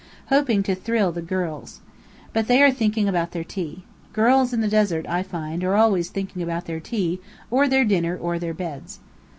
hoping to thrill the girls. But they are thinking about their tea. Girls in the desert, I find, are always thinking about their tea, or their dinner, or their beds.